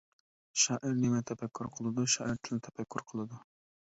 شائىر نېمىنى تەپەككۇر قىلىدۇ؟ شائىر تىلنى تەپەككۇر قىلىدۇ.